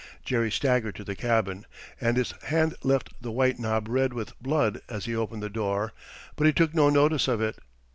Jerry staggered to the cabin, and his hand left the white knob red with blood as he opened the door, but he took no notice of it.